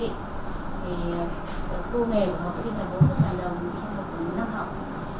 thì thu nghề của học sinh là bốn đồng trong một năm học